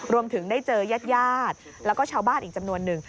รวมถึงได้เจอยาดแล้วก็ชาวบ้านอีกจำนวนหนึ่ง